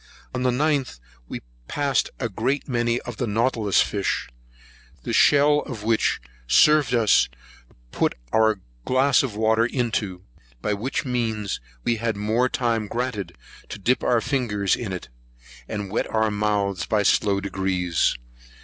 On the 9th, we passed a great many of the Nautilus fish, the shell of which served us to put our glass of water into; by which means we had more time granted to dip our finger in it, and wet our mouths by slow degrees.